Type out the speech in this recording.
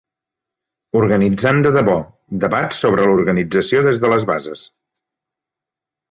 Organitzant de debò: debat sobre l'organització des de les bases.